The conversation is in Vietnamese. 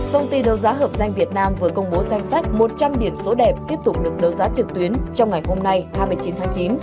công ty đấu giá hợp danh việt nam vừa công bố danh sách một trăm linh biển số đẹp tiếp tục được đấu giá trực tuyến trong ngày hôm nay hai mươi chín tháng chín